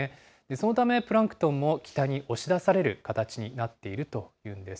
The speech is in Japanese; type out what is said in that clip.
そのためプランクトンも北に押し出される形になっているというんです。